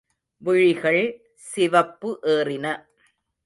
விழிகள் சிவப்பு ஏறின.